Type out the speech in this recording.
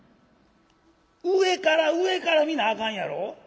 上から上から見なあかんやろ」。